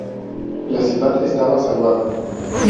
La ciudad estaba salvada.